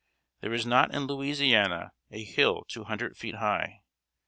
There is not in Louisiana a hill two hundred feet high.